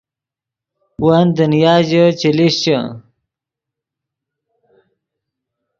ون دنیا ژے چے لیشچے